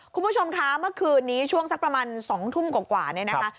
คุณผู้ชมคะเมื่อคืนนี้ช่วงสักประมาณ๒ทุ่มกว่าเนี่ยนะคะ